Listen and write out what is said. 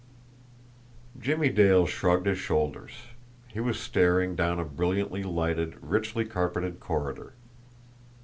Jimmie Dale shrugged his shoulders. He was staring down a brilliantly lighted, richly carpeted corridor.